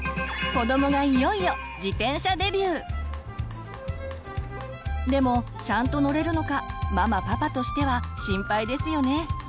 子どもがいよいよでもちゃんと乗れるのかママパパとしては心配ですよね。